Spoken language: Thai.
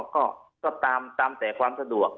ก็ตามแต่ความสะดวก